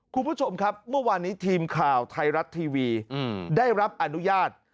คุณผู้ชมครับเมื่อวานนี้ทีมข่าวไทยรัฐทีวีได้รับอนุญาต